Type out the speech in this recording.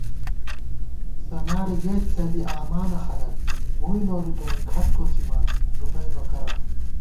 سناڑِ گَئیت څَلی آمانہ خَلَک، ووئی نوری ڈلکھٹ کوڅِمان ݫُپَئیبہ کرہ